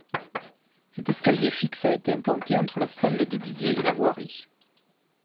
Cet escalier fixe a été implanté entre la salle des billets et la voirie.